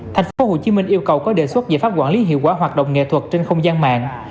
tp hcm yêu cầu có đề xuất giải pháp quản lý hiệu quả hoạt động nghệ thuật trên không gian mạng